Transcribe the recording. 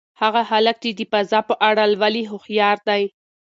هغه هلک چې د فضا په اړه لولي هوښیار دی.